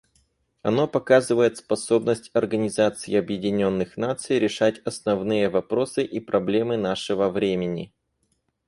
Оно показывает способность Организации Объединенных Наций решать основные вопросы и проблемы нашего времени.